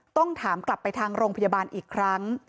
ต้องถามกลับไปทางโรงพยาบาลอีกครั้ง